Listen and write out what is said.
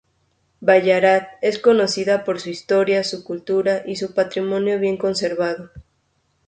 Ballarat es conocida por su historia, su cultura y su patrimonio bien conservado.